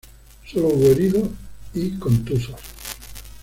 Sólo hubo heridos y contusos.